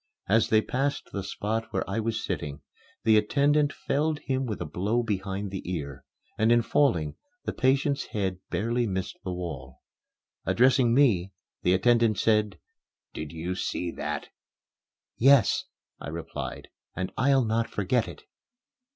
As they passed the spot where I was sitting, the attendant felled him with a blow behind the ear; and, in falling, the patient's head barely missed the wall. Addressing me, the attendant said, "Did you see that?" "Yes," I replied, "and I'll not forget it."